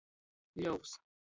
Ļovs.